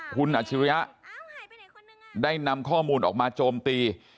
คุณอาชิริยะได้นำข้อมูลออกมาโจมตี